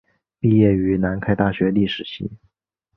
毕业于南开大学历史系。